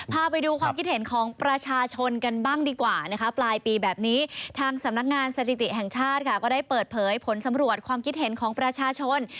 พาไปดูความคิดเห็นของประชาชนกันบ้างดีกว่านะคะปลายปีแบบนี้ทางสำนักงานสถิติแห่งชาติค่ะก็ได้เปิดเผยผลสำรวจความคิดเห็นของประชาชน